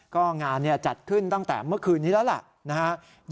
ก็งานจัดขึ้นตั้งแต่เมื่อคืนนี้แล้วล่ะนะครับ